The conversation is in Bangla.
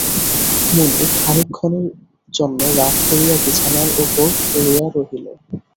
মণি খানিকক্ষণের জন্য রাগ করিয়া বিছানায় উপর পড়িয়া রহিল।